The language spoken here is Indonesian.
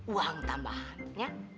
uang tambahan ya